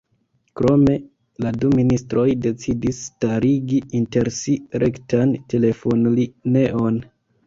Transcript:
Krome la du ministroj decidis starigi inter si rektan telefonlineon.